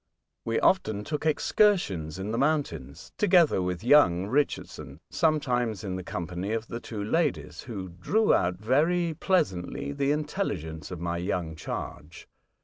We often took excursions in the mountains together with young Richardson, sometimes in the company of the two ladies, who drew out very pleasantly the intelligence of my young charge.